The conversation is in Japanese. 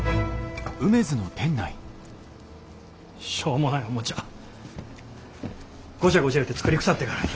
しょうもないおもちゃゴチャゴチャ言うて作りくさってからに。